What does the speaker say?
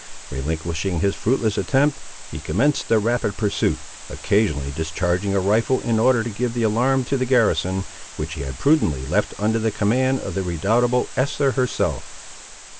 Relinquishing his fruitless attempt, he commenced a rapid pursuit, occasionally discharging a rifle in order to give the alarm to the garrison, which he had prudently left under the command of the redoubtable Esther herself.